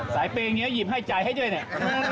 สายเปลี่ยงเนี้ยหยิบให้จ่ายให้ด้วยหน่อย